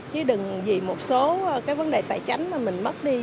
chứ đừng vì một số cái vấn đề tài chánh mà mình mất đi